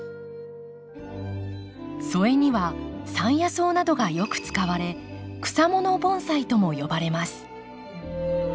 添えには山野草などがよく使われ草もの盆栽とも呼ばれます。